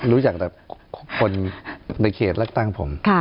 รู้จักแต่คนในเขตเลือกตั้งผม